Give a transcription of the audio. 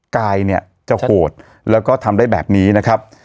กายเนี่ยจะโหดแล้วก็ทำได้แบบนี้นะครับ